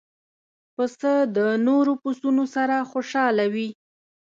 پسه د نور پسونو سره خوشاله وي.